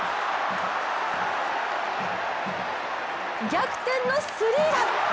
逆転のスリーラン！